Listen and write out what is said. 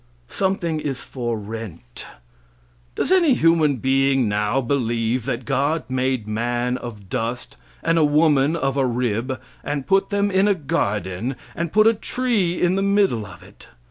Something is for rent. Does any human being now believe that God made man of dust and a woman of a rib, and put them in a garden, and put a tree in the middle of it?